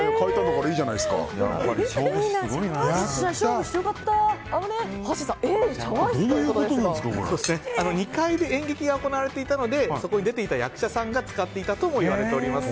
はっしーさん２階で演劇が行われていたのでそこに出ていた役者さんが使っていたとも言われています。